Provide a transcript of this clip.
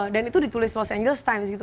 dan itu ditulis los angeles times gitu